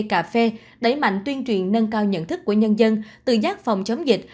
cà phê đẩy mạnh tuyên truyền nâng cao nhận thức của nhân dân tự giác phòng chống dịch